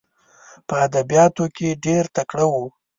په ادبیاتو کې ډېر تکړه وو.